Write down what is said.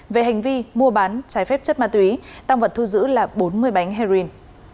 về hành vi mua bán trái phép chất ma túy tăng vật thu giữ là bốn mươi bánh heroin